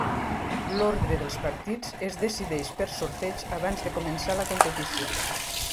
L'ordre dels partits es decideix per sorteig abans de començar la competició.